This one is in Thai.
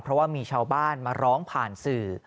เพราะว่ามีชาวบ้านมาร้องผ่านสื่อ